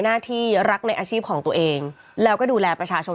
หน้าที่รักในอาชีพของตัวเองแล้วก็ดูแลประชาชน